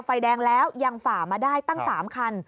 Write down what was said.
ไฟแดงแล้วยังฝ่ามาได้ตั้ง๓คัน